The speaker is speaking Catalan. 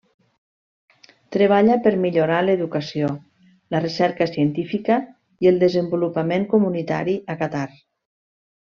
Treballa per millorar l'educació, la recerca científica i el desenvolupament comunitari a Qatar.